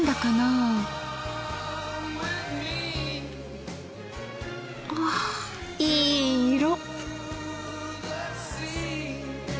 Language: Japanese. うわいい色。